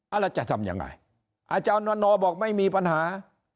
แล้วจะทำยังไงอาจารย์วันนอบอกไม่มีปัญหา